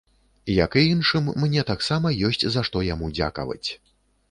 Як і іншым, мне таксама ёсць за што яму дзякаваць.